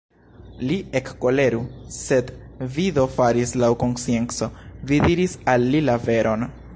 Li ekkoleru, sed vi do faris laŭ konscienco, vi diris al li la veron!